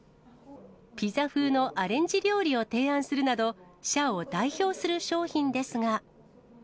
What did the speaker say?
ピザ風のアレンジ料理を提案するなど、社を代表する商品ですが。